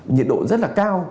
nhiệt độ rất là cao